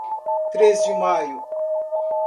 Três de Maio